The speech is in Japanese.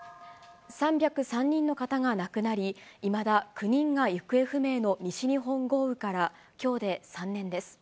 ３０３人の方が亡くなり、いまだ９人が行方不明の西日本豪雨からきょうで３年です。